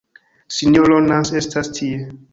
Sinjoro Nans estas tie.